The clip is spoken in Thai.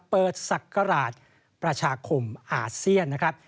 ศักราชประชาคมอาเซียนนะครับ